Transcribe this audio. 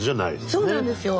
そうなんですよ。